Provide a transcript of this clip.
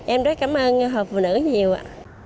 em rất cảm ơn hộp phụ nữ nhiều ạ